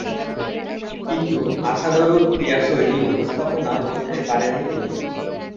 কিন্তু, আশানুরূপ ক্রীড়াশৈলী উপস্থাপনা করতে পারেননি তিনি।